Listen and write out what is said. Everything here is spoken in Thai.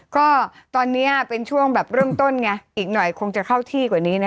ก็ตอนนี้เป็นช่วงแบบเริ่มต้นไงอีกหน่อยคงจะเข้าที่กว่านี้นะ